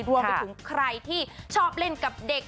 รวมไปถึงใครที่ชอบเล่นกับเด็ก